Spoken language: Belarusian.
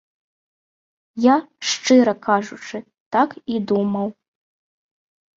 Я, шчыра кажучы, так і думаў.